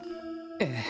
ええ。